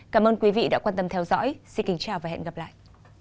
cảm ơn các bạn đã theo dõi và hẹn gặp lại